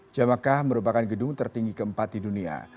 jamakah merupakan gedung tertinggi keempat di dunia